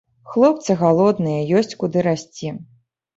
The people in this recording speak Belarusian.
Хлопцы галодныя, ёсць куды расці.